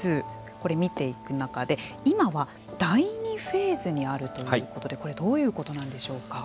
これ見ていく中で今は第２フェーズにあるということでこれどういうことなんでしょうか。